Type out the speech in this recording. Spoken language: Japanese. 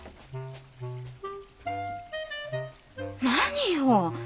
何よ！